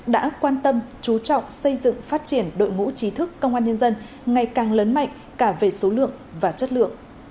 đã quan tâm chú trọng xây dựng phát triển đội ngũ trí thức công an nhân dân ngày càng lớn mạnh cả về số lượng và chất lượng